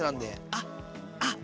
あっあっ